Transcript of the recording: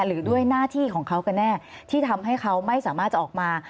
หรือด้วยหน้าที่ของเขาก็แน่ที่ทำให้เขาไม่สามารถจะออกมา